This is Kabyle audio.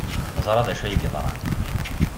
Neẓra d acu ay yeḍran.